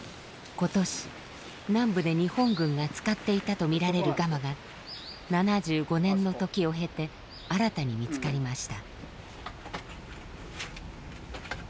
今年南部で日本軍が使っていたとみられるガマが７５年の時を経て新たに見つかりました。